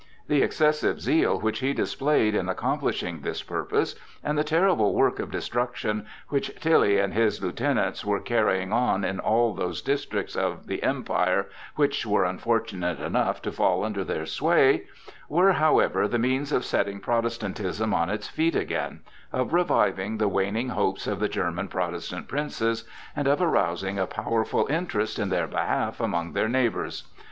The excessive zeal which he displayed in accomplishing this purpose, and the terrible work of destruction which Tilly and his lieutenants were carrying on in all those districts of the Empire which were unfortunate enough to fall under their sway, were, however, the means of setting Protestantism on its feet again, of reviving the waning hopes of the German Protestant princes, and of arousing a powerful interest in their behalf among their neighbors.